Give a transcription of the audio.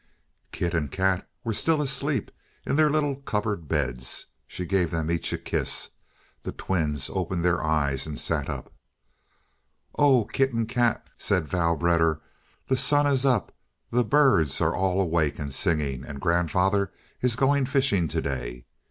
Kit and Kat were still asleep in their little cupboard bed. She gave them each a kiss. The twins opened their eyes and sat up. "Oh, Kit and Kat," said Vrouw Vedder, "the sun is up, the birds are all awake and singing, and grandfather is going fishing to day.